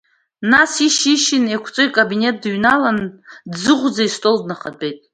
Нас ишьи-ишьи еиқәҵо, икабинет дыҩналан, дӡыӷәӡа истол днахатәеит.